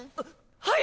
はい！